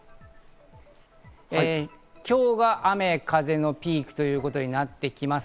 今日が雨風のピークということになってきます。